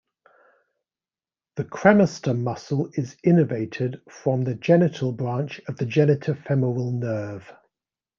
The cremaster muscle is innervated from the genital branch of the genitofemoral nerve.